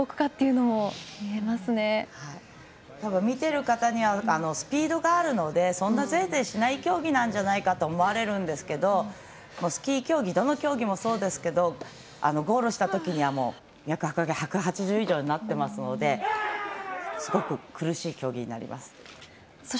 見ている方にはスピードがあるのでそんなぜーぜーしない競技なんじゃないかと思われるんですけどスキー競技どの競技もそうですけどゴールしたときには脈拍１８０以上になってますのですごく苦しい競技になります。